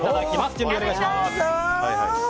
準備お願いします。